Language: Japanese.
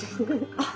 あっ！